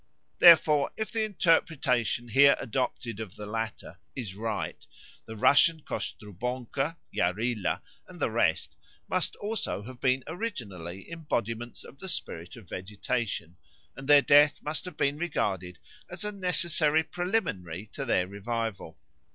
Therefore if the interpretation here adopted of the latter is right, the Russian Kostrubonko, Yarilo, and the rest must also have been originally embodiments of the spirit of vegetation, and their death must have been regarded as a necessary preliminary to their revival.